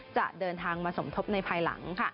จะเดินทางมาสมทบในภายหลัง